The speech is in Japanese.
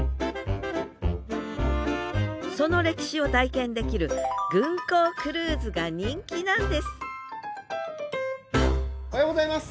その歴史を体験できる軍港クルーズが人気なんですおはようございます。